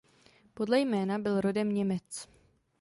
Podle jména byl rodem Němec.